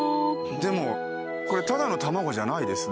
でもこれただの卵じゃないですね。